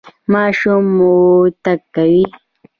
ماشوم مو تګ کوي؟